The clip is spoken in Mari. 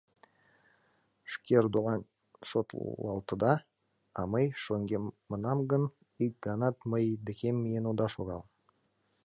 Шке родылан шотлалтыда, а мый шоҥгемынам гын, ик ганат мый декем миен ода шогал.